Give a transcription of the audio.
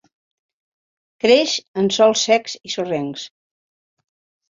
Creix en sòls secs i sorrencs.